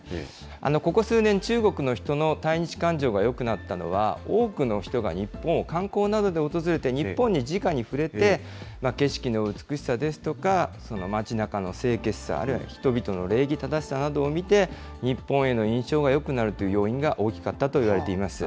ここ数年、中国の人の対日感情がよくなったのは、多くの人が日本を観光などで訪れて、日本にじかに触れて、景色の美しさですとか、街なかの清潔さ、あるいは、人々の礼儀正しさなどを見て、日本への印象がよくなるという要因が大きかったといわれています。